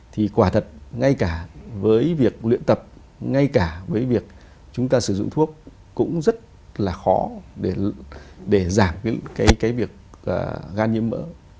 thì quả thật ngay cả với việc luyện tập ngay cả với việc chúng ta sử dụng thuốc cũng rất là khó để giảm cái việc gan nhiễm mỡ